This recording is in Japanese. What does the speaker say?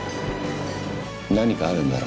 何かあるんだろ？